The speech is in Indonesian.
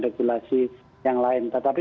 regulasi yang lain tetapi